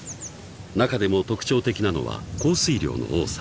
［中でも特徴的なのは降水量の多さ］